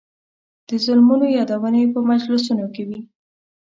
د ظلمونو یادونې یې په مجلسونو کې وې.